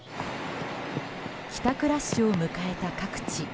帰宅ラッシュを迎えた各地。